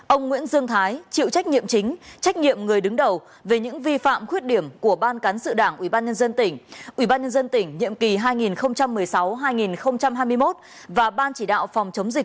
ông nguyễn dương thái chịu trách nhiệm chính trách nhiệm người đứng đầu về những vi phạm khuyết điểm của ban cán sự đảng ủy ban nhân dân tỉnh ubnd tỉnh nhiệm kỳ hai nghìn một mươi sáu hai nghìn hai mươi một và ban chỉ đạo phòng chống dịch